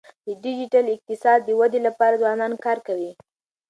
د ډیجیټل اقتصاد د ودی لپاره ځوانان کار کوي.